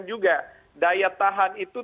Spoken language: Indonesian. juga daya tahan itu